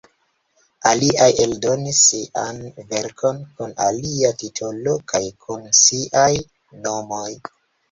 Aliaj eldonis ŝian verkon kun alia titolo kaj kun siaj nomoj.